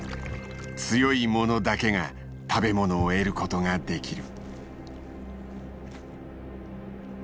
強いものだけが食べ物を得ることができる。